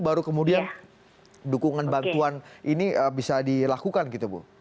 baru kemudian dukungan bantuan ini bisa dilakukan gitu bu